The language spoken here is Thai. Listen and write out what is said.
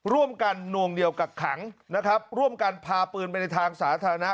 นวงเหนียวกักขังนะครับร่วมกันพาปืนไปในทางสาธารณะ